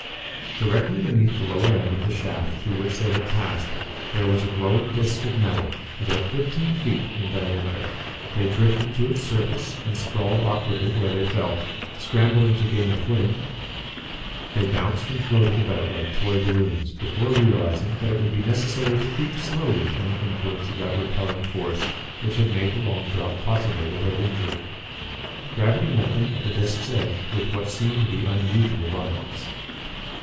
Directly beneath the lower end of the shaft through which they had passed, there was a glowing disc of metal about fifteen feet in diameter. They drifted to its surface and sprawled awkwardly where they fell. Scrambling to gain a footing, they bounced and floated about like toy balloons before realizing that it would be necessary to creep slowly from the influence of that repelling force which had made the long drop possible without injury. Gravity met them at the disc's edge with what seemed to be unusual violence.